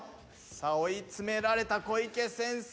さあ追い詰められた小池先生。